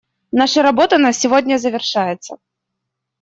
Наша работа на сегодня завершается.